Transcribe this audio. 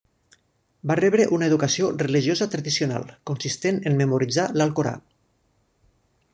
Va rebre una educació religiosa tradicional consistent en memoritzar l'Alcorà.